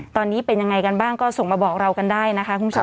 ตอนนี้เป็นยังไงกันบ้างก็ส่งมาบอกเรากันได้นะคะคุณผู้ชม